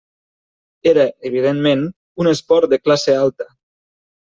Era, evidentment, un esport de classe alta.